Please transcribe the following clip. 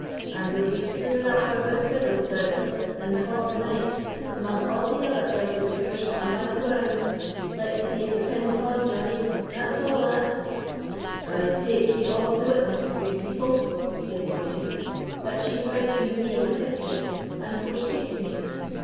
and we'll be screwing up our bit fiddle, doubtless, in the ha' the night, amang a' the other elbo' jiggers for miles round. Let's see if the pins haud, Johnie—that's a', lad." "I take ye a' to witness, gude people," said Morheuch, "that she threatens me wi' mischief, and forespeaks me.